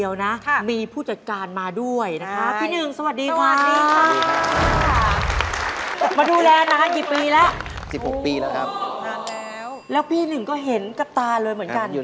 อย่างนี้แล้วเฮ้ย